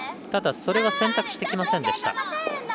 ただ、それは選択してきませんでした。